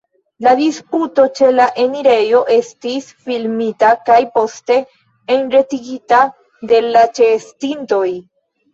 La disputo ĉe la enirejo estis filmita kaj poste enretigita de la ĉeestintoj.